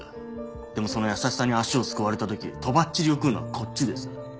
でもその優しさに足をすくわれた時とばっちりを食うのはこっちです。